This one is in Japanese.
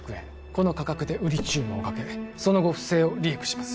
この価格で売り注文をかけその後不正をリークします